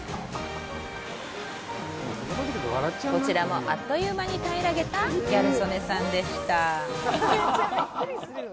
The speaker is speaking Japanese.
こちらもあっという間に平らげたギャル曽根さんでした